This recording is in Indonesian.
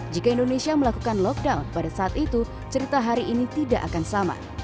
jika indonesia melakukan lockdown pada saat itu cerita hari ini tidak akan sama